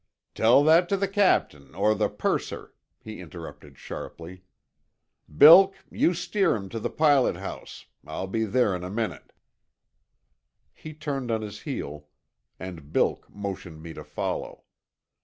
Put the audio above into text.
"Tell that t' the captain or the purser," he interrupted sharply. "Bilk, you steer him t' the pilot house. I'll be there in a minute." He turned on his heel, and Bilk motioned me to follow.